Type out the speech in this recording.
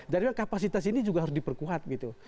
jadi memang kapasitas ini juga harus diperkuat